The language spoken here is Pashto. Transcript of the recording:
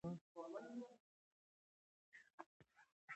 لوستې میندې د ماشوم د خوب وخت تنظیموي.